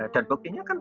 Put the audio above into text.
dan pokoknya kan